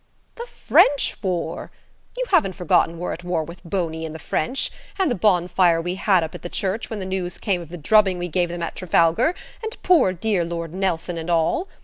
"The French war. You haven't forgotten we're at war with Boney and the French, and the bonfire we had up at the church when the news came of the drubbing we gave them at Trafalgar, and poor dear Lord Nelson and all?